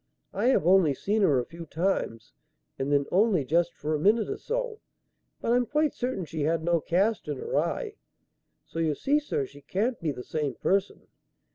I have only seen her a few times and then only just for a minute or so; but I'm quite certain she had no cast in her eye. So, you see, sir, she can't be the same person.